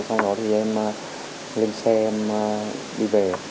sau đó thì em lên xe em đi về